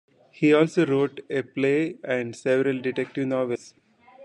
He also wrote a play and several detective novels.